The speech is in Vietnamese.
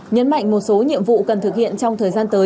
nhấn mạnh một số nhiệm vụ cần thực hiện trong thời gian tới